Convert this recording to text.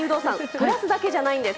グラスだけじゃないんです。